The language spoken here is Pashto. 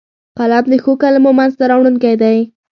قلم د ښو کلمو منځ ته راوړونکی دی